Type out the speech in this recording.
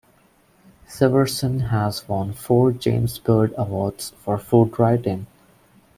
Severson has won four James Beard awards for food writing.